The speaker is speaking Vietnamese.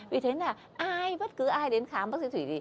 vì thế là ai bất cứ ai đến khám bác sĩ thủy gì